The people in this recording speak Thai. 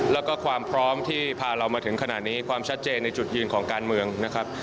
แล้วก็ความพร้อมที่พาเรามาถึงขนาดนี้ความชัดเจนในจุดยืนของการเมืองนะครับ